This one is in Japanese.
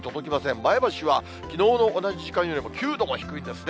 前橋はきのうの同じ時間よりも９度も低いんですね。